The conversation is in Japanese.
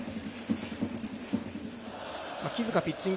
木塚ピッチング